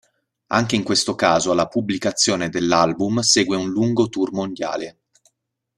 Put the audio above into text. Anche in questo caso alla pubblicazione dell'album segue un lungo tour mondiale.